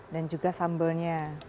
dan juga sambelnya